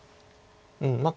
うんまあ